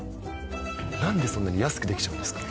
なんでそんなに安くできちゃうんですか。